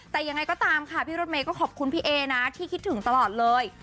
แต่ยังไงก็ตามค่ะพี่รถเมย์ก็ขอบคุณพี่เอนะที่คิดถึงตลอดเลย